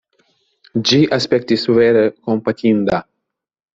Ĝi aspektis vere kompatinda.